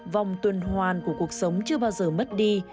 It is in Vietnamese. vòng tuần hoàn của cuộc sống chưa bao giờ mất đi